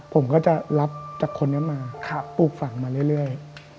ผมก็จะรับจากคนนี้มาปลูกฝังมาเรื่อย